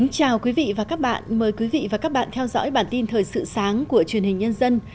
chào mừng quý vị đến với bản tin thời sự sáng của truyền hình nhân dân